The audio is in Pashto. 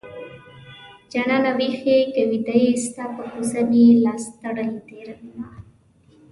جانانه ويښ يې که ويده يې ستا په کوڅه مې لاس تړلی تېروينه